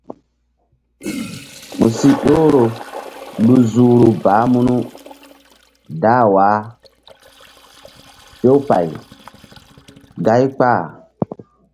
Mu si ƴohro lu zuhru baah munu dah wah few pay gáy kpah.